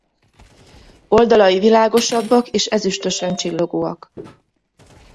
Oldalai világosabbak és ezüstösen csillogóak.